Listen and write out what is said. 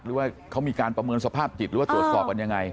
หรือว่าเขามีการประเมินสภาพจิตหรือว่าตรวจสอบกันยังไง